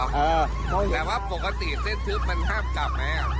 แต่ว่าปกติเส้นทึบมันห้ามกลับไหม